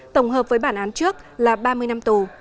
tổng hợp với bản án trước là ba mươi năm tù